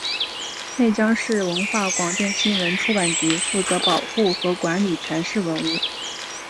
内江市文化广电新闻出版局负责保护和管理全市文物。